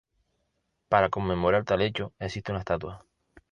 Para conmemorar tal hecho, existe una estatua.